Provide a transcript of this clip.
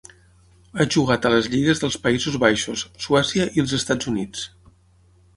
Ha jugat a les lligues dels Països Baixos, Suècia i els Estats Units.